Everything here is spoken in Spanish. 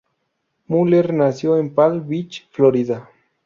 Mueller nació en Palm Beach, Florida.